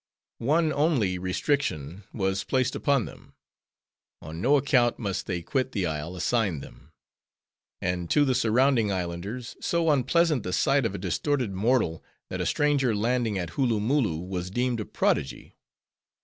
One only restriction was placed upon them: on no account must they quit the isle assigned them. And to the surrounding islanders, so unpleasant the sight of a distorted mortal, that a stranger landing at Hooloomooloo, was deemed a prodigy.